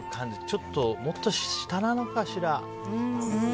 ちょっともっと下なのかしら。